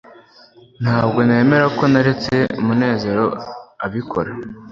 ntabwo nemera ko naretse munezero abikora